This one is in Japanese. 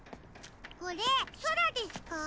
これそらですか？